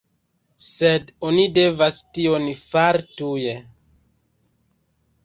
Sed oni devas tion fari tuj!